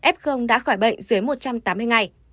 f đã khỏi bệnh dưới một trăm tám mươi ngày